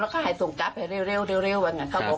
แล้วเขาหายส่งกรรพไปเร็วเร็วเร็วเร็ววันนั้นเขาก็บอก